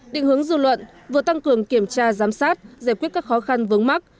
định hướng dư luận vừa tăng cường kiểm tra giám sát giải quyết các khó khăn vướng mắt